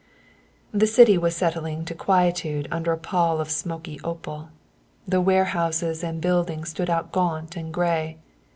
The city was settling to quietude under a pall of smoky opal. The warehouses and buildings stood out gaunt and grey.